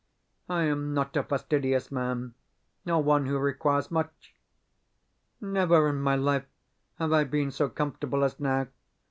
I am not a fastidious man, nor one who requires much. Never in my life have I been so comfortable as now.